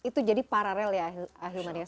itu jadi paralel ya ahil maria